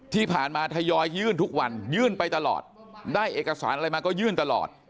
ที่ผ่านมาทยอยยื่นทุกวันยื่นไปตลอดได้เอกสารอะไรมาก็ยื่นตลอด